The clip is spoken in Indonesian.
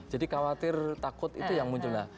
jadi khawatir takut itu yang muncul